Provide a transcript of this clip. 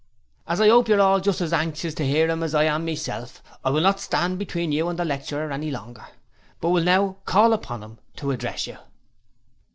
''As I 'ope you're all just as anxious to 'ear it as I am myself, I will not stand between you and the lecturer no longer, but will now call upon 'im to address you.'